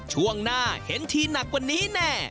ช่วงหน้าเห็นทีหนักกว่านี้แน่